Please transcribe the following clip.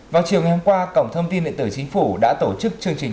vào chiều ngày hôm qua cổng thông tin điện tử chính phủ đã tổ chức chương trình